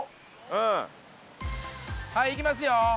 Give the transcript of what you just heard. うん。いきますよ。